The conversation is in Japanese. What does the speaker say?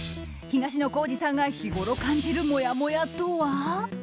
東野幸治さんが日ごろ感じるもやもやとは？